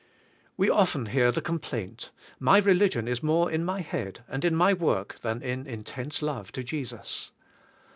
We often hear the complaint. My religion is more in my head, and in my work, than in intense love to Jesus.